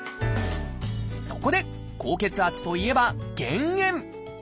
そこで高血圧といえば減塩。